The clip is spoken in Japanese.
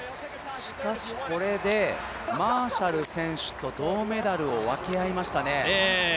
しかし、これでマーシャル選手と銅メダルを分け合いましたね。